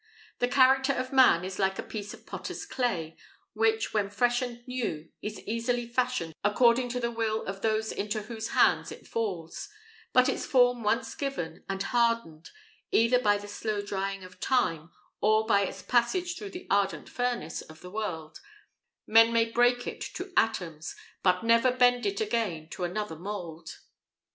The character of man is like a piece of potter's clay, which, when fresh and new, is easily fashioned according to the will of those into whose hands it falls; but its form once given, and hardened, either by the slow drying of time, or by its passage through the ardent furnace of the world, men may break it to atoms, but never bend it again to another mould.